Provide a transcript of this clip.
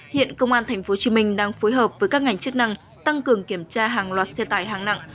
hiện công an tp hcm đang phối hợp với các ngành chức năng tăng cường kiểm tra hàng loạt xe tải hạng nặng